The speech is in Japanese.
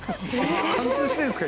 貫通してるんですか？